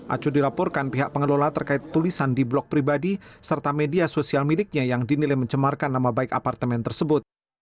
aco dilaporkan pihak pengelola terkait tulisan di blog pribadi serta media sosial miliknya yang dinilai mencemarkan nama baik apartemen tersebut